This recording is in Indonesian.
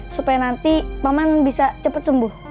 supaya nanti paman bisa cepat sembuh